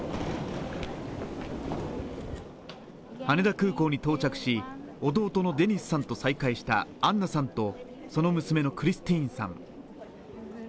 羽田空港に到着し、弟のデニスさんと再会したアンナさんとその娘のクリスティーンさん。